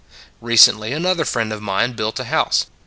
Recently another friend of mine built a house.